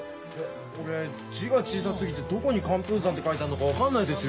これ字が小さすぎてどこに寒風山って書いてあるのか分かんないですよ。